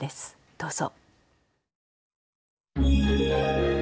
どうぞ。